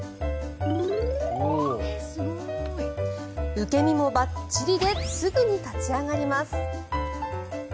受け身もばっちりですぐに立ち上がります。